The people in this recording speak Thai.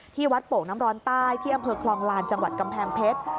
ที่วัดโป่งน้ำร้อนใต้ที่อำเภอคลองลานจังหวัดกำแพงเพชร